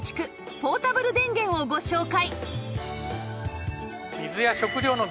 ポータブル電源をご紹介！